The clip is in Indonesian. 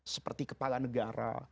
seperti kepala negara